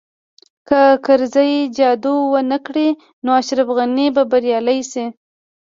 که کرزی جادو ونه کړي نو اشرف غني به بریالی شي